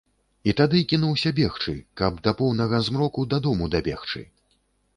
І тады кінуўся бегчы, каб да поўнага змроку да дому дабегчы.